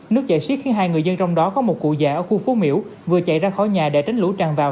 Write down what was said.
nước chảy siết khiến hai người dân trong đó có một cụ dạ ở khu phố miễu vừa chạy ra khỏi nhà để tránh lũ tràn vào